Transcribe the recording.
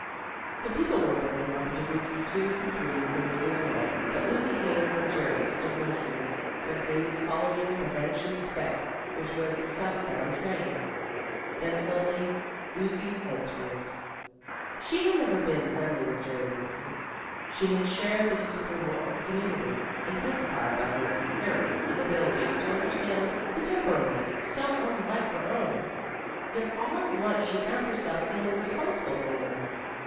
The people were breaking up into groups of twos and threes, and moving away, but Lucy Haines and Jerry stood motionless, their gaze following the vanishing speck which was the south bound train. Then slowly Lucy's head turned. She had never been friendly with Jerry Morton. She had shared the disapproval of the community, intensified by her inherent inability to understand the temperament so unlike her own. Yet all at once she found herself feeling responsible for him.